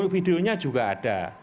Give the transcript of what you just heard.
videonya juga ada